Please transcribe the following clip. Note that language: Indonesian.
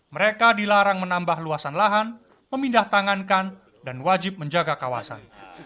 mereka dilarang menambah luasan lahan memindah tangankan dan wajib menjaga kawasan